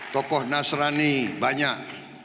tokoh nasrani banyak